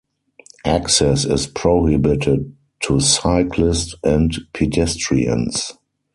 Access is prohibited to cyclists and pedestrians.